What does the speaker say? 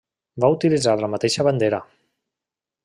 Va utilitzar la mateixa bandera.